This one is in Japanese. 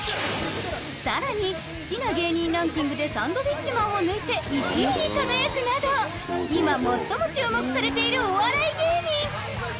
さらに好きな芸人ランキングでサンドウィッチマンを抜いて１位に輝くなど今最も注目されているお笑い芸人